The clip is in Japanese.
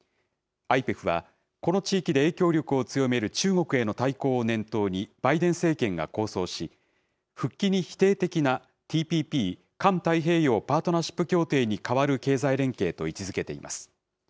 ＩＰＥＦはこの地域で影響力を強める中国への対抗を念頭に、バイデン政権が構想し、復帰に否定的なＴＰＰ・環太平洋パートナーシップ協定に代わる経済連携と位置づけています。